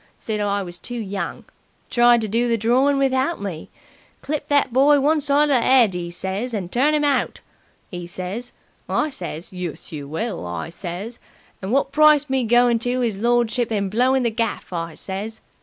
Said I was too young. Tried to do the drawin' without me. 'Clip that boy one side of the 'ead!' 'e says, 'and turn 'im out!' 'e says. I says, 'Yus, you will!' I says. 'And wot price me goin' to 'is lordship and blowing the gaff?' I says.